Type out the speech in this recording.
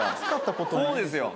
こうですよ。